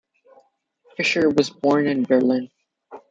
Fischer was born in Berlin.